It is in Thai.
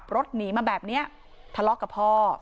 รถหนีมาแบบนี้ทะเลาะกับพ่อ